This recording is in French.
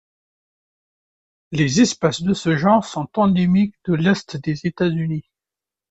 Les espèces de ce genre sont endémiques de l'Est des États-Unis.